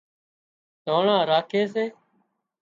ۮانڻا راکي سي